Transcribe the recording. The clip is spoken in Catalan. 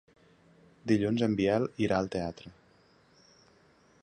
Dilluns en Biel irà al teatre.